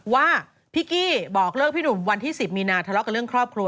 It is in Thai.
ว่าพี่กี้บอกเลิกพี่หนุ่มวันที่๑๐มีนาทะเลาะกับเรื่องครอบครัว